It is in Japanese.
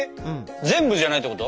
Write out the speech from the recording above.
全部じゃないってこと？